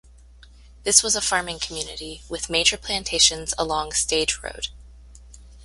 This was a farming community, with major plantations along Stage Road.